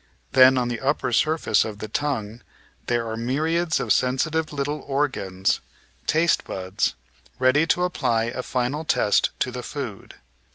Then, on the upper surface of the tongue, there are myriads of sensitive little organs, taste buds, ready to apply a final test to the food.